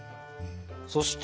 そして。